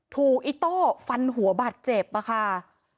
อิโต้ฟันหัวบาดเจ็บอะค่ะ